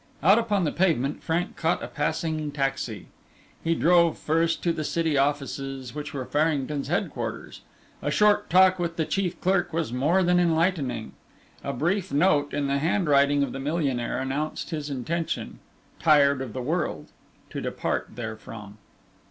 Out upon the pavement, Frank caught a passing taxi. He drove first to the city offices which were Farrington's headquarters. A short talk with the chief clerk was more than enlightening. A brief note in the handwriting of the millionaire announced his intention, "tired of the world," to depart therefrom.